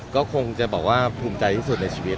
ก็คงจะบอกว่าภูมิใจที่สุดในชีวิต